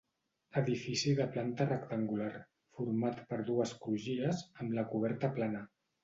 Edifici de planta rectangular, format per dues crugies, amb la coberta plana.